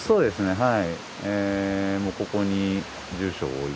はい。